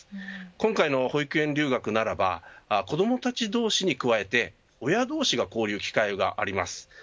今回の保育園留学ならば子どもたち同士に加えて親同士が交流する機会があります。